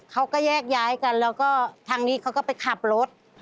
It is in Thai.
เขาก็แยกย้ายกันแล้วก็ทางนี้เขาก็ไปขับรถ